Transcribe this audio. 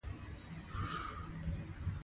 افغانستان په غزني باندې تکیه لري.